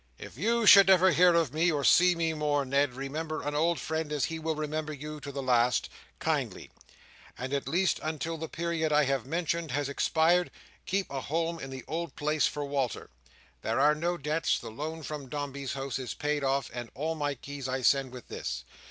"'If you should never hear of me, or see me more, Ned, remember an old friend as he will remember you to the last—kindly; and at least until the period I have mentioned has expired, keep a home in the old place for Walter. There are no debts, the loan from Dombey's House is paid off and all my keys I send with this.